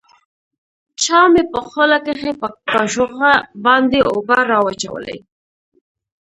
چا مې په خوله کښې په کاشوغه باندې اوبه راواچولې.